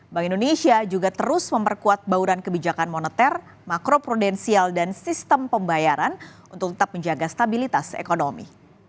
bank indonesia juga terus memperkuat bauran kebijakan moneter makro prudensial dan sistem pembayaran untuk tetap menjaga stabilitas ekonomi